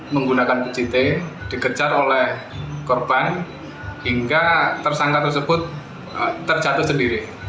menggunakan pct dikejar oleh korban hingga tersangka tersebut terjatuh sendiri